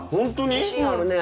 自信あるね。